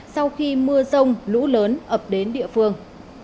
sau khi mưa rông lũ lớn ập đến địa phương